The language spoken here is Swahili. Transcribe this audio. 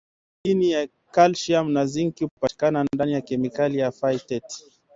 madiniya kalisiamu na zinki hupatikana ndani ya kemikali ya phytate